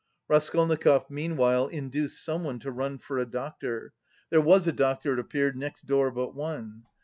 Raskolnikov meanwhile induced someone to run for a doctor. There was a doctor, it appeared, next door but one.